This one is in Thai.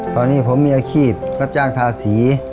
ตอนนี้ผมมีอาชีพรับจ้างทาสี